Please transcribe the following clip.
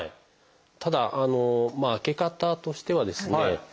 ただ開け方としてはですね